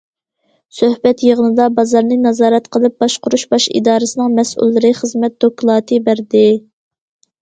سۆھبەت يىغىنىدا، بازارنى نازارەت قىلىپ باشقۇرۇش باش ئىدارىسىنىڭ مەسئۇللىرى خىزمەت دوكلاتى بەردى.